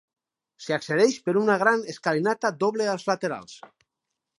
S'hi accedeix per una gran escalinata doble als laterals.